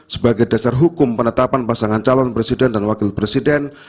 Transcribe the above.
sebagai dasar hukum penetapan pasangan calon presiden dan wakil presiden